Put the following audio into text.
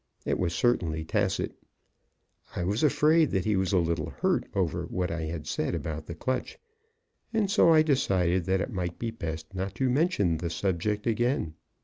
It was certainly tacit. I was afraid that he was a little hurt over what I had said about the clutch, and so I decided that it might be best not to mention the subject again.